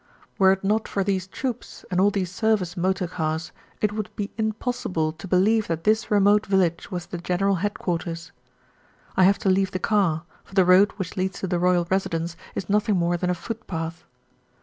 Were it not for these troops and all these service motor cars, it would be impossible to believe that this remote village was the General Headquarters. I have to leave the car, for the road which leads to the royal residence is nothing more than a footpath.